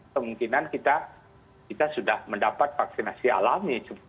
kemungkinan kita sudah mendapat vaksinasi alami